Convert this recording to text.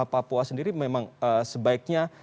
papua sendiri memang sebaiknya